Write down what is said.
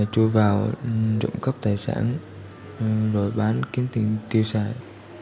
chui vào trộm cấp tài sản rồi bán kiếm tiền tiêu xài